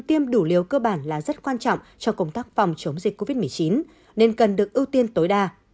tiêm đủ liều cơ bản là rất quan trọng cho công tác phòng chống dịch covid một mươi chín nên cần được ưu tiên tối đa